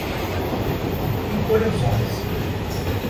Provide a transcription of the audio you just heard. Encolha os ombros